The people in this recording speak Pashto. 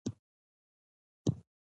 د دسمبر مياشتې لسمه نېټه وه